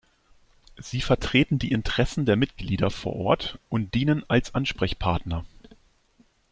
Sie vertreten die Interessen der Mitglieder vor Ort und dienen als Ansprechpartner.